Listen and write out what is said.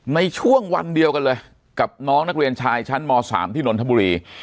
ในช่วงวันเดียวกันเลยกับน้องนักเรียนชายชั้นม๓ที่นนทบุรี